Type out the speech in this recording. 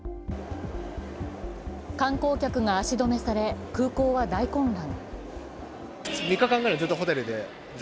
観光客が足止めされ空港は大混乱。